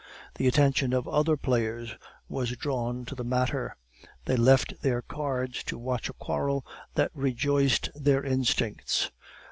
The attention of other players was drawn to the matter; they left their cards to watch a quarrel that rejoiced their instincts.